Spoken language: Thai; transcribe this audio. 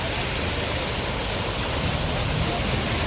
เมื่อเวลาอันดับสุดท้ายจะมีเวลาอันดับสุดท้ายมากกว่า